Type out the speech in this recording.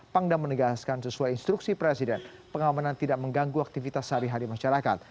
pangdam menegaskan sesuai instruksi presiden pengamanan tidak mengganggu aktivitas sehari hari masyarakat